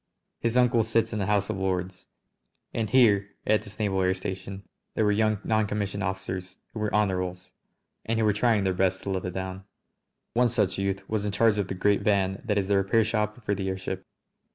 His uncle sits in the House of Lords. And here, at this naval air station, there were young noncommissioned officers who were Honourables, and who were trying their best to live it down. One such youth was in charge of the great van that is the repair shop for the airship.